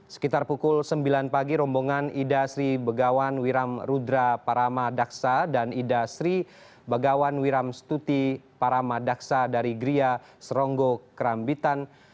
sekitar pukul sembilan pagi rombongan ida sri begawan wiram rudra paramadaksa dan ida sri bagawan wiramstuti paramadaksa dari gria serongo kerambitan